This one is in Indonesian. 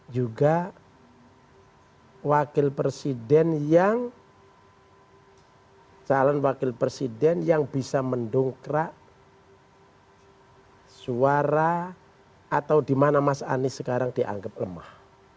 juga wakil presiden yang calon wakil presiden yang bisa mendongkrak suara atau di mana mas anies sekarang dianggap lemah